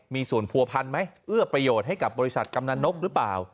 มีส่วนผัวพันไหมเอื้อประโยชน์ให้กับบริษัทกำนันนกหรือเปล่า